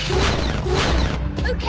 ＯＫ！